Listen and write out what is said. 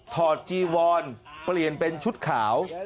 จีวอนเปลี่ยนเป็นชุดขาว